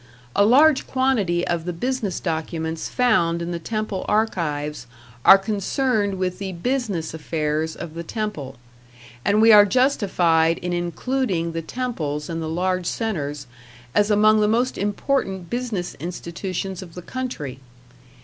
A large quantity of the business documents found in the temple archives are concerned with the business affairs of the temple, and we are justified in including the temples in the large centres as among the most important business institutions of the country.